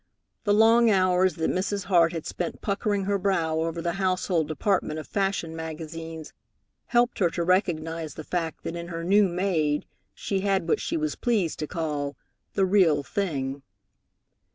The long hours that Mrs. Hart had spent puckering her brow over the household department of fashion magazines helped her to recognize the fact that in her new maid she had what she was pleased to call "the real thing."